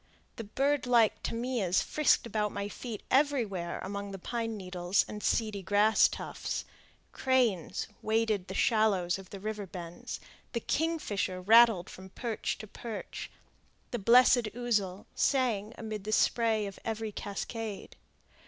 The bird like tamias frisked about my feet everywhere among the pine needles and seedy grass tufts; cranes waded the shallows of the river bends, the kingfisher rattled from perch to perch, and the blessed ouzel sang amid the spray of every cascade.